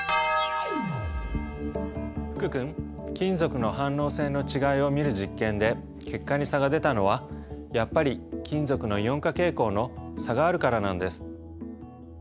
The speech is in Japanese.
福君金属の反応性の違いを見る実験で結果に差が出たのはやっぱり金属のイオン化傾向の差があるからなんです。